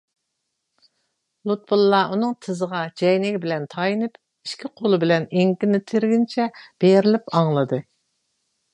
لۇتپۇللا ئۇنىڭ تىزىغا جەينىكى بىلەن تايىنىپ، ئىككى قولى بىلەن ئېڭىكىنى تىرىگىنىچە بېرىلىپ ئاڭلىدى.